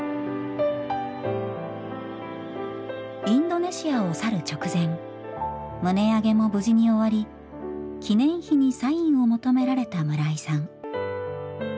インドネシアを去る直前棟上げも無事に終わり記念碑にサインを求められた村井さん。